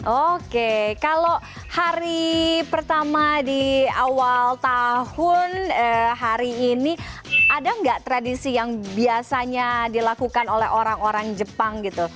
oke kalau hari pertama di awal tahun hari ini ada nggak tradisi yang biasanya dilakukan oleh orang orang jepang gitu